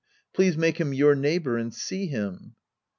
Please make him your neighbor and see him.